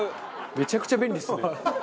めちゃくちゃ便利ですね。